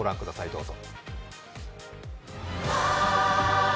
どうぞ。